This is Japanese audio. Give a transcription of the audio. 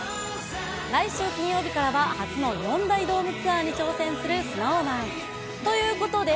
来週金曜日からは、初の４大ドームツアーに挑戦するＳｎｏｗＭａｎ。ということで。